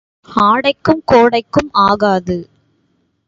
ஆடைக்கும் கோடைக்கும் ஆகாது.